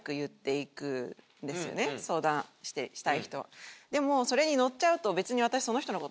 相談したい人は。